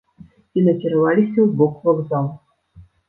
І накіраваліся ў бок вакзалу.